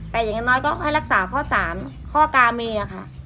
แต่อย่างน้อยก็ให้รักษาข้อ๓ข้อกามีค่ะ